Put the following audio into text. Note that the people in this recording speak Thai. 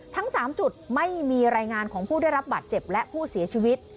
ทั้ง๓จุดไม่มีรายงานของผู้ได้รับบาดเจ็บและผู้เสียชีวิต